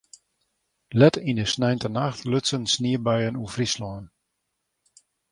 Let yn de sneintenacht lutsen sniebuien oer Fryslân.